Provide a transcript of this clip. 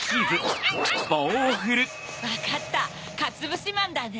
わかったかつぶしまんだね！